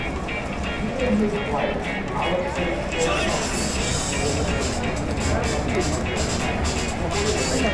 He and his wife, Alison Cornyn, live in Brooklyn with their three children.